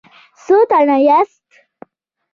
څو تنه یاست؟